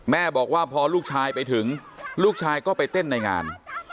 บอกว่าพอลูกชายไปถึงลูกชายก็ไปเต้นในงาน